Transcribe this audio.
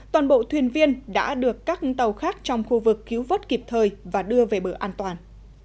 toàn bộ thuyền viên đã được các tàu khác trong khu vực cứu vớt kịp thời và đưa về bờ an toàn